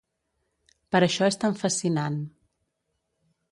Per això és tan fascinant.